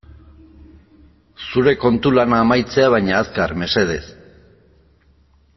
Zure kontu lana amaitzea baina azkar, mesedez.